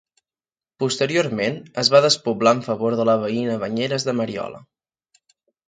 Posteriorment, es va despoblar en favor de la veïna Banyeres de Mariola.